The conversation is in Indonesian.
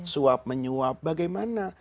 suap menyuap bagaimana